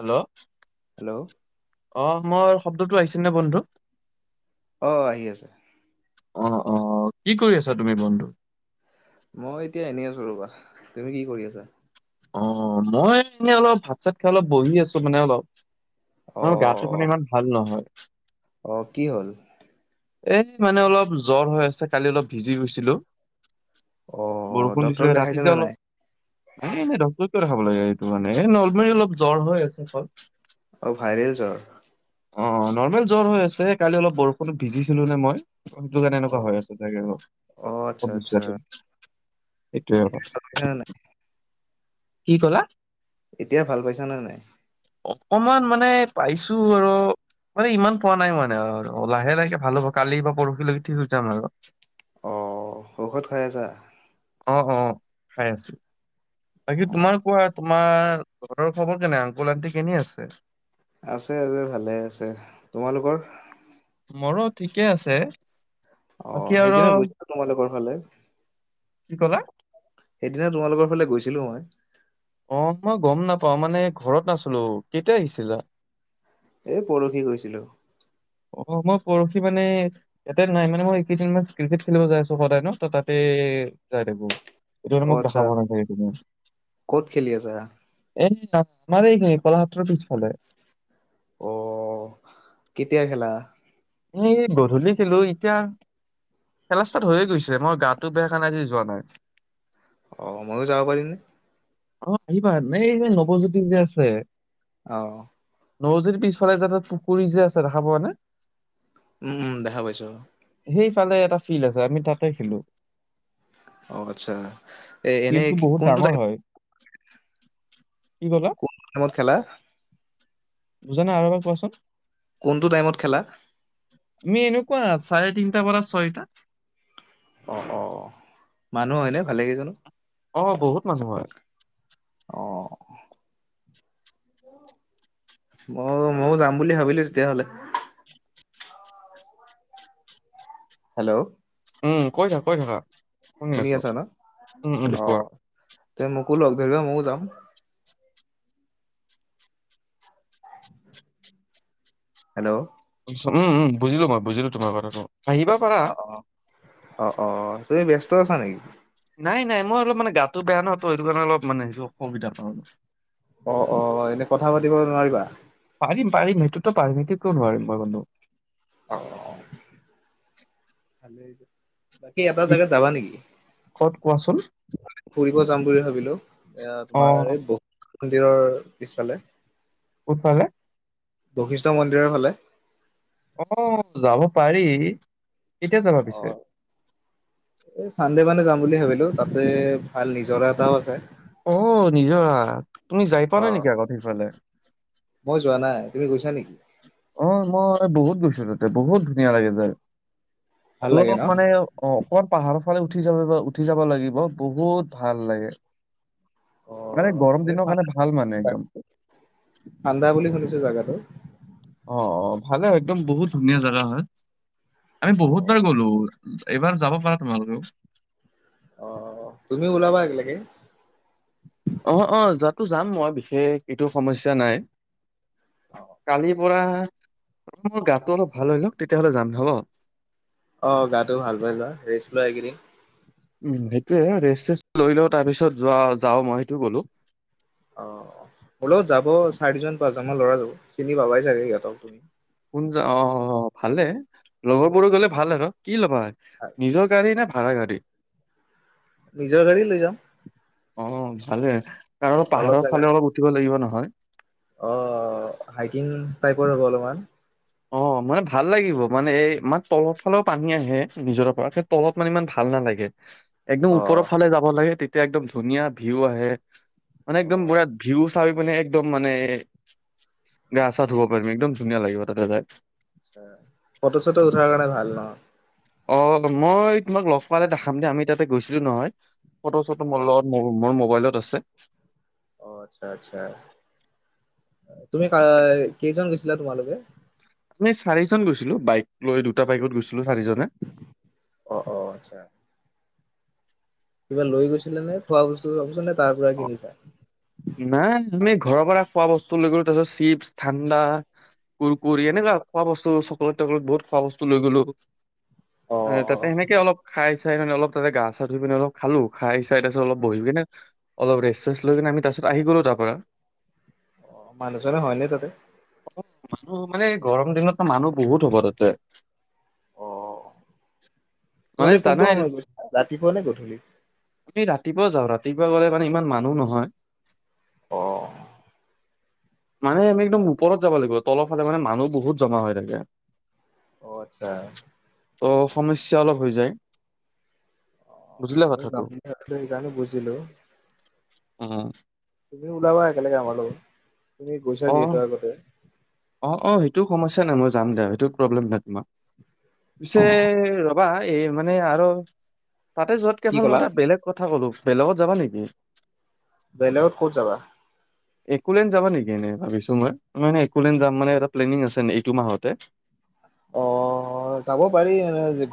Hello hello অ' মোৰৰ শব্দটো আহিছেনে বন্ধু? অ' আহি আছে। অ'অ' কি কৰি আছা তুমি বন্ধু? মই এতিয়া এনেই আছোঁ ৰবা, তুমি কি কৰি আছা? অ', মই এনেই অলপ ভাত-চাত খাই অলপ বহি আছো, মানে অলপ অ মোৰ গাটো মানে ইমান ভাল নহয়। অ' কি হ'ল? এই মানে অলপ জ্বৰ হৈ আছে, কালি অলপ ভিজি গৈছিলোঁ। অ বৰষুণ ডক্তৰক দিছিলে দেখাইছা ৰাতি টে নে অলপ নাই ডক্তৰক কিয় দেখাব লাগে, এইটো মানে এই নলবাৰী অলপ জ্বৰ হৈ আছে হ'ল। অ ভাইৰেল জ্বৰ অ' অ' নৰ্মেল জ্বৰ হৈ আছে। কালি অলপ বৰষুণত ভিজিছিলোঁ যে মই। সেটো কাৰণে অ এনেকুৱা হৈ আছে চাগে অ আচ্ছা আচ্ছা আৰু [unintelligible] সেইটোৱে এতিয়া ভাল পাইছা নে নাই কথা। কি কলা? এতিয়া ভাল পাইছা নে নাই? অকমান মানে পাইছোঁ আৰু মানে ইমান পোৱা নাই মানে আৰু লাহে-লাহেকে ভাল হ'ব কালি বা পৰহিলৈকে ঠিক হৈ যাম আৰু। আহ ঔখধ খাই আছা? অ' অ' খাই আছোঁ। বাকি অ তোমাৰ কোৱা? তোমাৰ ঘৰৰ খবৰ কেনে? আংকুল-আন্টি কেনে আছে? আছে, আছে ভালে আছে। তোমালোকৰ? মোৰো ঠিকে আছে। বাকী অ' আৰু সেইদিনা গৈছিলোঁ, তোমালোকৰ ফালে। কি ক'লা? সেইদিনা তোমালোকৰ ফালে গৈছিলোঁ মই। অ' মই গ'ম নাপাওঁ মানে ঘৰত নাছিলোঁ, কেতিয়া আহিছিলা? এই পৰহি গৈছিলোঁ। অ' মই পৰহি মানে ইয়াতে নাই মানে মই এইকেইদিন মই ক্ৰিকেট খেলিব যাই আছোঁ সদায় ন ত তাতে এই যায় থাকিব এইটো কাৰানে অ মোক আচ্ছা দেখাব [unintelligible] ক'ত খেলি আছা? মানে এই নিৰুপলা হত পিছফালে। অ' কেতিয়া খেলা? এই গধূলি খেলোঁ, এতিয়া খেলা ষ্টাৰ্ট হৈয়ে গৈছে, মই গাটো বেয়া কাৰণে আজি মই যোৱা নাই। অ' মইয়ো যাব পাৰিমণে। অ' আহিবা নাই এই যে নৱজ্যোতি যে আছে। আহ নৱজ্যোতিৰ পিছফালে যে এটা পুখুৰী যে আছে দেখা পোৱা নাই? উম, উম, দেখা পাইছোঁ। সেইফালে এটা ফিল্ড আছে আমি তাতে খেলো। অ', আচ্ছা। এ এনে ফিল্ডটো কি- বহুত কোনটো ডাঙৰ টাইম হয়। কি ক'লা কত তোমালাক খেলা? বুজা নাই আৰু এবাক কোৱাচোন? কোনটো টাইমত খেলা? ক চাৰে তিনিটা পৰা ছয়টা অ - অ মানুহ হয়নে ভালে কেইজনানো। অ, বহুত মানুহ হয়। অ', মই ময়ো যাম বুলি ভাবিলো তেতিয়াহলে। হেল্ল', উম, কৈ থাক - কৈ থাকা শুনি আছো উম, কোৱা। ত মোকল লগধৰিবা মোয়ো যাম। হেল্ল', উম, বুজিলো মই বুজিলো তোমাৰ কথাতটো। অ - অ - অ - অ তুমি ব্যস্ত আছা নেকি? নাই - নাই মই অলপ মানে গাতটো বেয়া নহয় তো সেইটো কাৰণে অলপ মানেই অসুবিধা পাও। অ - অ এনে কথা পাতিব নোৱাৰিবা? পাৰিম - পাৰিম সেইটোতো পাৰিম সেইটো কিয় নোৱাৰিম মই বানধু ভাল যে [unintelligible] বাকী এটা কি জাগাত যাবা নেকি? ক'ত কোৱাচোন ফুৰিব যাম বুলি ভাবিলো এ অ তোমাৰ এই বহুত মন্দিৰৰ পিছফালে কোনফালে বশিষ্ঠ মন্দিৰৰ ফালে। অ যাব পাৰি এতিয়া যাবা পিছে অ', এই চানডে মানে যাম বুলি ভাবিলো তাতে ভাল নিজৰা এটাও আছে। অ, নিজৰা তুমি যাই পোৱা অ নাই নেকি আগত সেইফালে মই যোৱা নাই তুমি গৈছা নেকি? অ, মই বহুত গৈছো তাতে বহুত ধুনীয়া লাগে যায়। ভাল লাগে অলপ ন? মানে অ, অকমান পাহাৰ। সফালে উঠি যাব বা উঠি যাব লাগিব বহুত ভাল লাগে। মানে অ' গৰম দিনৰ কাৰণে ভাল মানে একদম। কান্দা বুলি শুনিছো জাগাটো। অ - অ ভালে একদম বহুত ধুনীয়া জাগা হয় আমি বহুত বাৰ অ' গলো। এইবাৰ যাব পাৰা তোমালোকেও। অ, তুমি ওলবা লাগিলক অ- অ যোৱাো যাম মই বিশেষ এইটো সমস্যা নাই কালি। ম গাতটো অলপ ভাল হয় লওক তেতিয়াহলে যাম হল। অ, গাটো ভাল পাই যোৱা ৰেচ লোৱা এইকেইদিন। উম, সেইটোয়ে ৰেষ্ট চচ লৈ লও তাৰ পিছত যোৱা যাও মই সেইটো গ'লো। অ, বোলও যাব চাৰিজন পাচজন ম ল'ৰা যাব চিনি পাবাই চাগে সিহতক তুমি কোন যা অ, ভালে লগৰ বোৰ গলে ভাল আৰু কি ল'বা নিজৰ গাড়ী নোল ভাৰা গাড়ী। নিজৰ গাড়ী লৈ যাম। অ, ভালে কাৰণ অলপ পাহাৰ জেগা ফালে অলপ উঠিব লাগিব নহয়। অ, হাইকিং টাইপৰ হ'ব অলপমান। অ, মানে ভাল লাগিব মানে এই ইাৰ তলত ফালেও পানী আহে নিজৰ পৰা সেই তলত মানে ইমান ভাল ন। লাগে। একদম ওপৰৰ অ'। ফালে যাব লাগে তেতিয়া একদম ধুনীয়া ভিউ আহে মানে অ একদম বিৰাট ভিউ। চাব পিনে একদম মানে গা চা ধুব পাৰিম একদম ধুনীয়া লাগিব তাতে যাই। ফটো চটো উঠাৰ কাৰণে ভাল ন' অ', মই তোমাক লগ পোৱালে দেখাম দিয়া আমি তাতে গৈছিলো নহয় ফটো চটো মোৰ ন? লগত মোৰ মোবাইলত আছে। অ', আচ্ছা-আচ্ছা। তুমি কাই কেইজন গৈছিলা তোমালোকে? আমি চাৰিজন গৈছিলো বাইক লৈ দুটা বাইকত গৈছিলো। অ', -অ', আচ্ছা। কিবা লৈ গৈছিলে নে খোৱা বস্তু চোবা বস্তু নে তাৰ পৰা কিনিছা। নাই আমি ঘৰৰ পৰা খোৱা বস্তু লৈ গলো তাৰ পিছত চিপছ ঠাণ্ডা কুৰকুৰি এনেৱা খোৱা বস্তু চকলেট টকলেট বহুত খোৱা বস্তু লৈ গলোঁ। অ' তাতে অ' সেনেকে অলপ খাই চাই মানে অলপ তাতে গা চা ধুই পিনে অলপ খালো খাই চাই চাই অলপ বহি কিনে অলপ ৰেষ্ট চেষ্ট লৈ কিনে আমি তাৰপিছত আহি গলো তাৰ পৰা। অ' মানুহজনে হয়নে তাতে? মানুহ মানে গৰম দিনতো মানুহ বহুত হ'ব তাতে। মানে তোমালেক কোনটো জানাই সময়ত গৈছা ৰাতিপুৱা নে গধূলি? আমি ৰাতিপুৱা যাওঁ, ৰাতিপুৱা গলে মানে ইমান মানুহ নহয়। অ'। মানে আমি একদম ওপৰত যাব লাগিব, তলৰ ফালে মানে মানুহ বহুত জমা হৈ থাকে। অ', আচ্ছা। ত' সমস্যা অলপ হৈ যায়। বুজিলা আমি কথাটো যাম এইকাৰণে বুজিলো। উম, তুমি ওলাবা একেলগে আমাৰ লগত, তুমি গৈছা অ যিহেতু আগতে। অ', অ', সেইটো সমস্যা নাই মই যাম দে সেইটো প্ৰব্লেম নাই তোমাৰ, পি বা এই মানে আৰু, তাতে যতকে কি ভাল মই ক'লা এটা বেলেগ কথা ক'লো বেলেগত যাবা নেকি? বেলেগত ক'ত যাবা? একোলেন যাবা নেকি এনেই ভাবিছো মই, মানে কুলেন যাম মানে এটা প্লেনিং আছে ন এইটো মাহতে। অহ, চাব পাৰি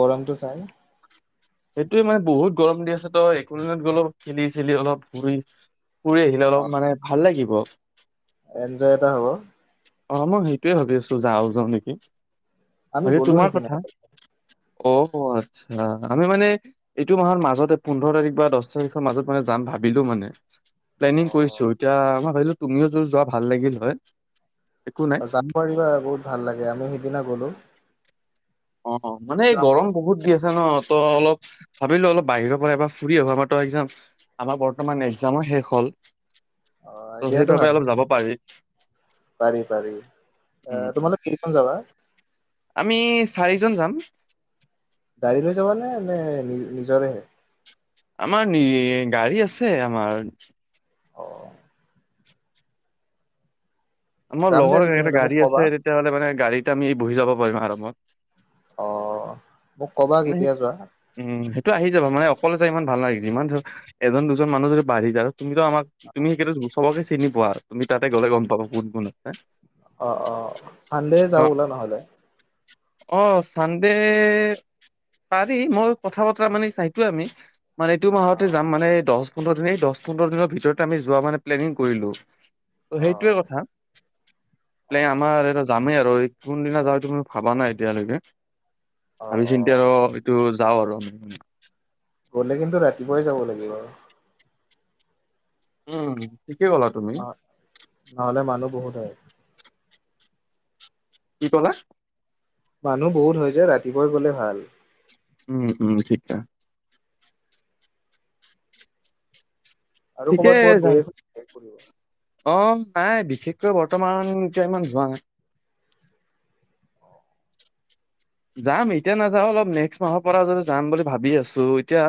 গৰমতটো চাই। সেইটয়ে মানে বহুত গৰম দি আছে ত' একো দিনত গ'ল খেলি চেলি অলপ ঘুৰি ফুৰি আহিলে অলপ মানে ভাল লাগিব। এঞ্জয় এটা হ'ব। অ' মই সেইটোৱে ভাবি আছো যাঁও যাওঁ নেকি, আমি বাকী গ'লো তোমাৰ সেইদিনা। কথা। অ' হ আচ্ছা। আমি মানে, এইটো মাহৰ মাজতে পোন্ধৰ তাৰিখ বা দহ তাৰিখৰ মাজত মানে যাম ভাবিলো মানে। প্লেনিং অ' কৰিছো এতিয়া মই ভাবিলো তুমিও যদি যোৱা ভাল লাগিল হয়। একো নাই। অ' যাম পাৰিবা বহুত ভাল লাগে আমি সিদিনা গলো। অ' মানে এই গৰম বহুত দি আছে ন ত' অলপ ভাবিলো অলপ বাহিৰৰ পৰা এবাৰ ফুৰি অহা মাহতো একজাম আমাৰ বৰ্তমান এক্জামো শেষ হ'ল। অ' এ ত' দিয়াতটো সেইবাবে ভালে। অলপ যাব পাৰি পাৰি পাৰি, উম। আহ তোমালোক কেইজন যাবা? আমি চাৰিজন যাম। গাড়ী লৈ যাবানে? নে নি নিজৰেহে। আমাৰ নি গাড়ী আছে আমাৰ। অ'। আমাৰ যাম দিয়া লগৰ এটা তেতিয়াহ'লে মোক গাড়ী কবা আছে তেতিয়াহ'লে মানে গাড়ীতে আমি বহি যাব পাৰিম আৰামত। অ'। মোক কবা মানে, কেতিয়া যোৱা উম সেইটো আহি যাবা মানে অকলে ইমান ভাল লাগি যিমান ধ এজন দুজন মানুহ যদি বাঢ়ি যা তুমি আমাক তুমি সেইটো চবকে চিনি চিনি পোৱা, তুমি তাতে গ'লে গম পাবা কোন কোন আছে। অ', অ', চানডে যাওঁ উলা নহ'লে। অ', চানডে, পাৰি মই কথা বতৰা মানে চাইতো আমি। মানে এইটো অ মাহতে যাম মানে দহ পোন্ধৰ দিন এই দহ পোন্ধৰ দিনৰ ভিতৰতে আমি যোৱা মানে প্লেনিং কৰিলো। ত' অ সেইটোৱে কথা, অ প্লেন আমাৰ এইটো যামেই আৰু ৰৈ, কোনদিনা যাওঁ এইটো আৰু মই ভাবা নাই এতিয়ালৈকে। অ', অ'। এতিয়া আৰু এইটো যাওঁ আৰু আমি। গ'লে কিন্তু ৰাতিপুৱাই যাব লাগিব আৰু। উম। ঠিকে ক'লা তুমি ন, নহ'লে মানুহ বহুত হয়। কি কলা? মানুহ বহুত হৈ যায় ৰাতিপুৱাই গলে ভাল। উম উম ঠিকা। আৰু ক'ৰবাত ঠিকেই ক'ৰবাত গৈ যাম আছো ফুৰিব। অ নাই বিশেষকৈ বৰ্তমান এতিয়া ইমান যোৱা নাই। [unintelligible] যাম এতিয়া নাযাওঁ অলপ নেক্সট মাহৰ পৰা যদি যাম বুলি ভাবি আছো এতিয়া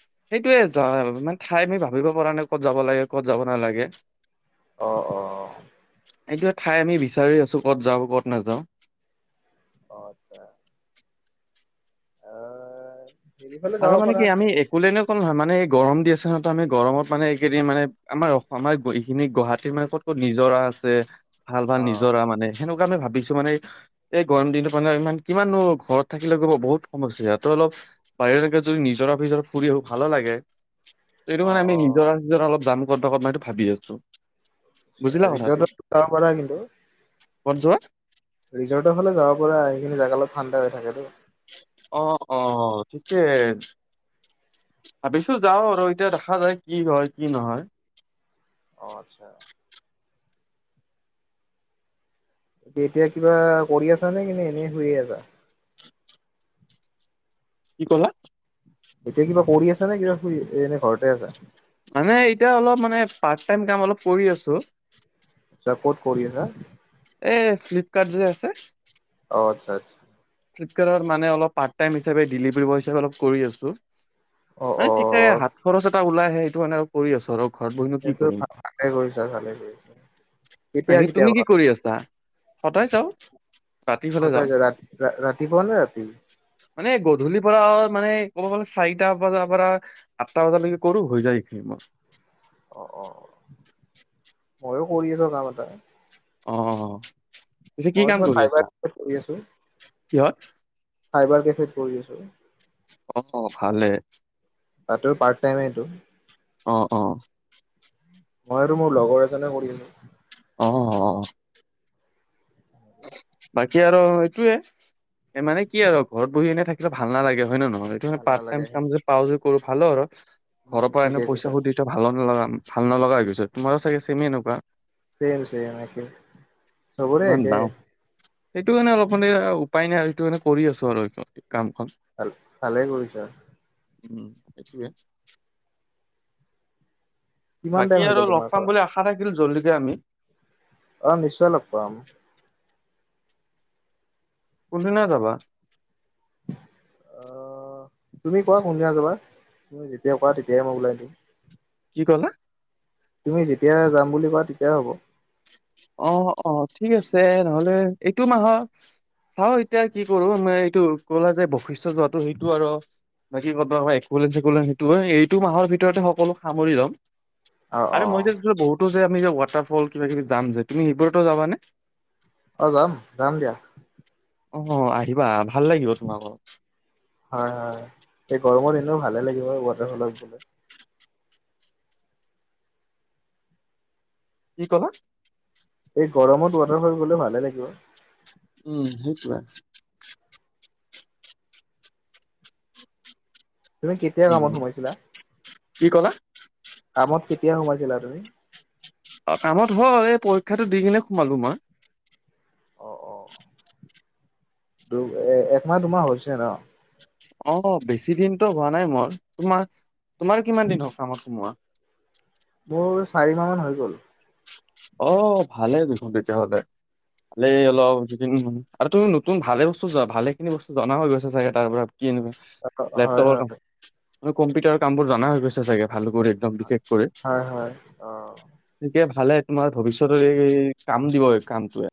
সেইটোয়ে য মানে ঠাই আমি ভাবিব পৰা নাই ক'ত যাব লাগে ক'ত যাব নালাগে। অ অ। এইটো ঠাই আমি বিচাৰ আছো ক'ত যাওঁ ক'ত নাযাওঁ। অ আচ্ছা [unintelligible] আহ হেৰি ফালে আৰু যাব মানে পাৰা কি আমি একলে ন কো নহয় মানে গৰম দি আছে নহয় আমি গৰমত মানে এইকেইদিন মানে আমাৰ অসমৰ এইখিনি গুৱাহাটীৰ মত ক নিজৰা ভাল ভাল অ নিজৰা মানে সেনেকুৱা আমি ভাবিছো মানে এই গৰম দিনটো মানে ইমান কিমানো ঘৰত থাকিলে কব বহুত সমস্যা ত অলপ বাহিৰলৈকে যদি নিজৰা ফিজৰা ফুৰি আহো ভালো লাগে সেইটো অ কাৰণে অ আমি নিজৰা চিজৰা অলপ যাম কত ভাগত নাই ভাবি আছো [inaudible] বুজিলা কথাটো ৰিজটত যাব পাৰা কিন্তু। কত যোৱা? ৰিজৰ্টৰ ফালে যাব পৰা সেইখিনি জেগা অলপ ঠাণ্ডা হৈ থাকেতো। অ' অ' ঠিকেই। ভাবিছো যাও আৰু এতিয়া দেখা যায় কি হয় কি নহয়। অ' আচ্ছা। এতিয়া কিবা কৰি আছা নে কি নে এনেই শুয়ে আছা? কি কলা? এতিয়া কিবা কৰি আছে নে কিবা শুই এনে ঘৰতে আছা? মানে এতিয়া অলপ মানে পাৰ্ট টাইম কাম অলপ কৰি আছো। আচ্ছা ক'ত কৰি আছা? এই ফ্লিপকাৰ্ট যে আছে। আচ্চা আচ্চা। ফ্লিপকাৰ্টত মানে অলপ পাৰ্ টাইম হিচাপে ডেলিভাৰী বয় হিচাপ অলপ কৰি আছোঁ। অ অ মানে ঠিক তোকে হাত খৰচ এটা ওলাই আহে এইেটো কাৰানে কৰি আছো আৰু। ঘৰত বহিনো কি সেইটো কৰিম। ভ - ভালে কৰিছা ভালে কৰিছা। কেতিয়া বাকী কেতিয়া তুমি কৰা কি কৰি আছা? সদায় চাও। অ ত যে ৰাতি [inaudible] নে ৰাতি মানে গধূলিৰ পৰা মানে ক'ব গলে চাৰিটা বজাৰ পৰা আঠটা বজালৈকে কৰো হৈ যায় এইখিনি মই অ' অ' ময়ো কৰি আছো কাম এটা। অ' পিছে কি মই কাম তোমাৰ কৰি চাইবাৰ আছা? কেফেত কৰি আছো কিহঁত? চাইবাৰ কেফেড কৰি আছোঁ। অহ, ভালে। তাতো পাৰ্ট টাইমেইটো? আহ, অ'। মই আৰু মোৰ লগৰ এজনে কৰি আছোঁ। অ'। বাকী আৰু সেইটোয়ে। এ, মানে কি আৰু ঘৰত বহি এনেই থাকিলে ভাল নালাগে হয়নে নয়? অ' সেইটোৱে, ভাল পাৰ্ট নালাগে টাইম কাম যে পাওঁ যে কৰো ভাল আৰু উম ঘৰৰ পৰা এনে ঠিকেই কৈছা পইচা খুজিটো ভালো নালাগে। ভাল নলগা হৈ গৈছে, তোমাৰো চাগে চেমে এনেকুৱা। চেম চেম একে চবৰে ইমান একে। দাম সেইটো কাৰণে অলপ মানে উপায় নাই আৰু সেইটো কাৰে কৰি আছো আৰু কামখন। ভাল ভালে কৰিছা। [unintelligible] কিমান টাইম বাকী হৈ আৰু গ'ল লগ তোমাৰ পাম কৰা বুলি আশা থাকিল জলদিকে আমি। অ', নিশ্চয় লগ পাম। কোনদিনা যাবা? অ, তুমি কোৱা কোনদিনা যাবা তুমি যেতিয়া কোৱা তেতিয়ে মই ওলাই দিম। [unintelligible] তুমি যেতিয় যাম বুলি কোৱা তেতিয়াই হ'ব। অ, - অ, ঠিক আছে নহ'লে এইটো মাহৰ চাও এতিয়া কি কৰো আমাৰ এইটো কলা যে বৈশিষ্টয় যোৱাটো সেইটো আৰু বাকী [unintelligible] এক'লেণ্ড-চেক'লেণ্ড সেইটো, অ'! এইটো মাহৰ ভিতৰতে সকলো সামৰি ল'ম। অ অ আৰু মই যে, বহুতো যে, আমি যে, ৱাটাৰ ফল কিবা-কিবি যাম যে, তুমি সেইবোৰতো যাবানে? অ'! যাম, যাম দিয়া। অ'! আহিবা, ভাল লাগিব, তোমাক [unintelligible] হয় হয় এই, গৰমত এনেও ভালে লাগিব, ৱাটাৰফলত গ'লে। কি ক'লা? এই গৰমত ৱাটাৰ ফল গ'লে ভালে লাগিব। উম, সেইটোৱে। [unintelligible] তুমি কেতিয়া কামত উম, সোমাইছিলা? কি ক'লা? কামত কে কেতিয়া সোমাইছিলা তুমি? অ'! কামত হ'ল, এই পৰীক্ষাটো দি কিনে, সোমালো মই। অ অ দু, এ-একমাহ-দুমাহ হৈছে ন'? অ'! বেছি দিনতো হোৱা নাই মোৰ। তোমাৰ? তোমাৰ কিমান দিন হ'ল কামত সোমোৱা? মোৰ চাৰি মাহ মান হৈ গ'ল। অ'! ভালেই দেখোন তেতিয়াহ'লে। ভালেই অলপ দুদিনমান। আৰু তুমি নতুন, ভালে বস্তু যোৱা, ভালে খিনি বস্তু জনা হৈ গৈছা চাগে, তাৰ পৰা! কি এনেকুৱা? হয় লেপটপৰ কাম। হয় কম্পিউটাৰ কাম বোৰ জনা হৈ গৈছা চাগে! ভালো কৰি, একদম হয় বিশেষ কৰে। হয় হয় অ এতিয়া ভালে, একো নহয়। ভৱিষ্যতেই কাম দিব এই, কামটোৱে।